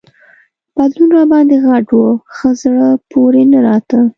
پتلون راباندي غټ وو، ښه زړه پورې نه راته.